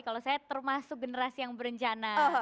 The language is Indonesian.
kalau saya termasuk generasi yang berencana